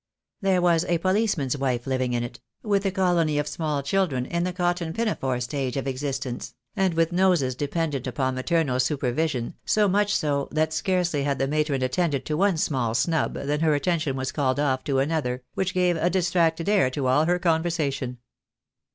There was a policeman's wife living in it, with a colony of small children, in the cotton pinafore stage of existence, and with noses dependent upon maternal super vision, so much so that scarcely had the matron attended to one small snub than her attention was called off to another, which gave a distracted air to all her con versation.